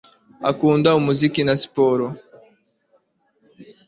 Akunda umuziki na siporo